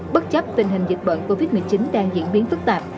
bất chấp tình hình dịch bệnh covid một mươi chín đang diễn biến phức tạp